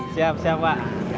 siap siap wak